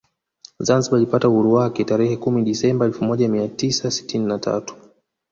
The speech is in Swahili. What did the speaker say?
Zanzibar ilipata uhuru wake tarehe kumi Desemba elfu moja mia tisa sitini na tatu